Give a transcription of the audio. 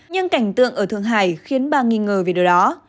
nhưng cảnh tượng ở thượng hải khiến bà nghi ngờ về điều đó